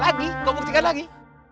lagi kau buktikan lagi